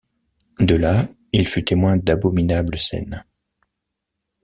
De là, il fut témoin d’abominables scènes.